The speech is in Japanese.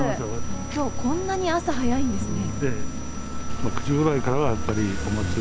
今日こんなに朝早いんですね？